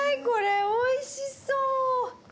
これおいしそう！